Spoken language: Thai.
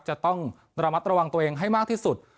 จะต้องระมัดระวังตัวเองให้มากที่สุด